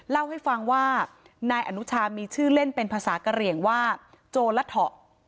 เล่าให้ฟังว่านายอนุชามีชื่อเล่นเป็นภาษากะเหลี่ยงว่าโจลัทเถาะ